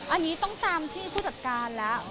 อันนี้ต้องตามที่ผู้จัดการแล้ว